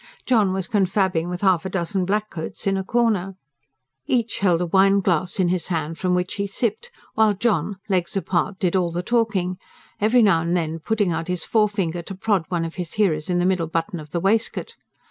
John was confabbing with half a dozen black coats in a corner. Each held a wineglass in his hand from which he sipped, while John, legs apart, did all the talking, every now and then putting out his forefinger to prod one of his hearers on the middle button of the waistcoat.